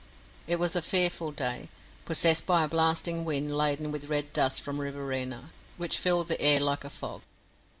It was a fearful day, possessed by a blasting wind laden with red dust from Riverina, which filled the air like a fog.